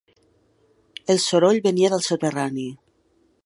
El soroll venia del soterrani.